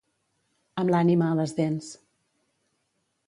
Amb l'ànima a les dents.